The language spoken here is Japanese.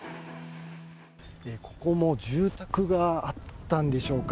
ここも住宅があったんでしょうか。